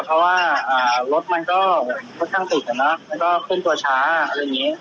เพราะว่าอ่ารถมันก็มันก็ขึ้นตัวช้าอะไรอย่างงี้